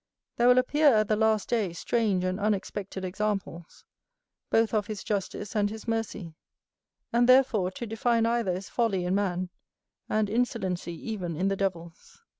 There will appear, at the last day, strange and unexpected examples, both of his justice and his mercy; and, therefore, to define either is folly in man, and insolency even in the devils.